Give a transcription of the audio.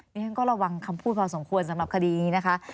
ฉันก็ระวังคำพูดพอสมควรสำหรับคดีนี้นะคะ